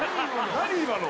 何今の？